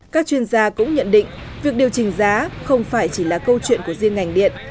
các chuyên gia cũng nhận định việc điều chỉnh giá không phải chỉ là câu chuyện của riêng ngành điện